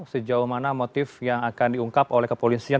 sejauh mana motif yang akan diungkap oleh kepolisian